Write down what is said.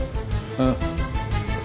うん。